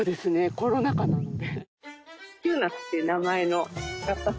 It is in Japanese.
コロナ禍なので。